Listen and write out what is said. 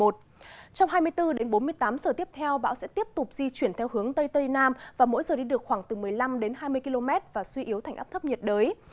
trong hai mươi bốn đến bốn mươi tám giờ tiếp theo bão sẽ tiếp tục di chuyển theo hướng tây tây nam và mỗi giờ đi được khoảng từ một mươi năm đến hai mươi km và suy yếu thành áp thấp nhiệt đới